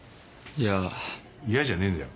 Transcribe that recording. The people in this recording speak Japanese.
「いや」じゃねえんだよ。